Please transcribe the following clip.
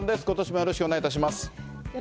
よろしくお願いします。